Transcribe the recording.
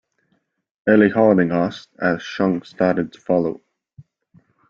Eli Harding asked, as Shunk started to follow.